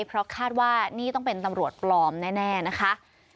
เพราะคาดว่านี่ต้องเป็นตำรวจปลอมแน่นะคะ